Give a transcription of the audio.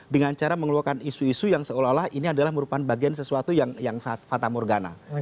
dengan cara mengeluarkan isu isu yang seolah olah ini adalah merupakan bagian sesuatu yang fata morgana